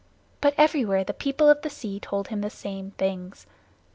But everywhere the People of the Sea told him the same things.